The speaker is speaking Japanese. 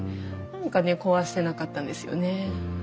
何かね壊せなかったんですよねえ。